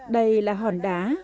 đây là hòn đá